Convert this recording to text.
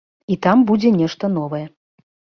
І там будзе нешта новае.